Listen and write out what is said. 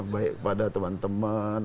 baik kepada teman teman